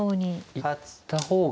行った方が。